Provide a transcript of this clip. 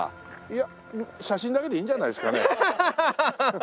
いや写真だけでいいんじゃないですかね。